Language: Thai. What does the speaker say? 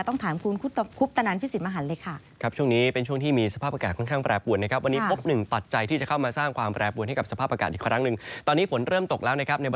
ต้องถามคุณคุปตนันพิสิทธิมหันเลยค่ะ